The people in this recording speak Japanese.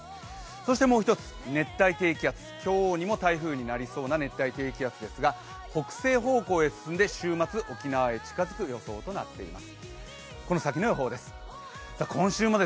そしてもう１つ、熱帯低気圧、今日にも台風になりそうな熱帯低気圧ですが北西方向へ進んで週末沖縄へ近づく予想となっています。